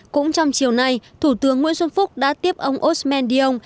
cũng trong chiều nay thủ tướng nguyễn xuân phúc đã tiếp ông osman dion